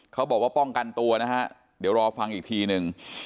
เขาบอกว่าป้องกันตัวนะฮะเดี๋ยวรอฟังอีกทีหนึ่ง